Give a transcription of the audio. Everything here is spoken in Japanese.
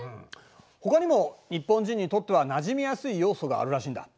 ほかにも日本人にとってはなじみやすい要素があるらしいんだ。